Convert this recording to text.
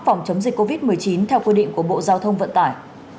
phòng chống dịch covid một mươi chín theo quy định của bộ giao thông vận tải